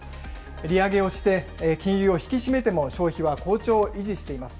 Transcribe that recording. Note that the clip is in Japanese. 利上げをして、金融を引き締めても消費は好調を維持しています。